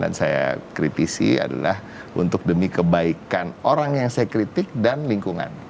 dan saya kritisi adalah untuk demi kebaikan orang yang saya kritik dan lingkungan